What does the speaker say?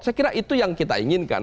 saya kira itu yang kita inginkan